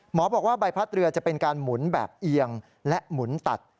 บอกว่าใบพัดเรือจะเป็นการหมุนแบบเอียงและหมุนตัด